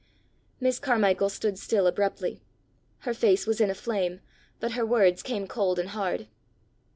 Miss Carmichael stood still abruptly. Her face was in a flame, but her words came cold and hard.